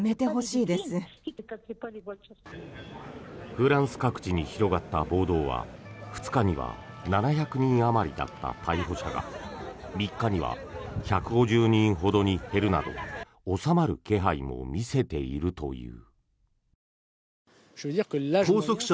フランス各地に広がった暴動には２日には７００人あまりだった逮捕者が３日には１５０人ほどに減るなど収まる気配も見せているという。